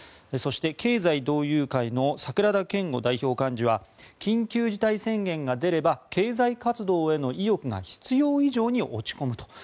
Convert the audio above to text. そして、経済同友会の桜田謙悟代表幹事は緊急事態宣言が出れば経済活動への意欲が必要以上に落ち込むと。